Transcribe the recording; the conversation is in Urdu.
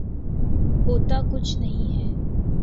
ہوتا کچھ نہیں ہے۔